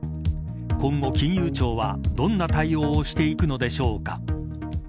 今後、金融庁はどんな対応をしていくのでしょうか。